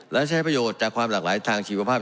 และใช้ประโยชน์จากความหลากหลายทางชีวภาพ